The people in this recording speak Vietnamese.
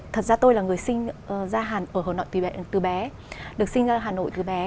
thật ra tôi là người sinh ra hà nội từ bé được sinh ra hà nội từ bé